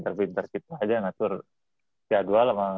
terpintar kita aja ngatur jadwal